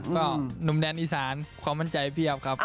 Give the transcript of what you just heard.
ก็หนุ่มเดนอิสานความมั่นใจ๘ครับ